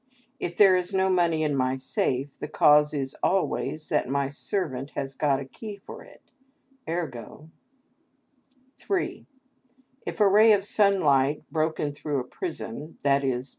"If there is no money in my safe, the cause is always that my servant has got a key for it: ergo—." (3.) "If a ray of sunlight, broken through a prism, _i.e.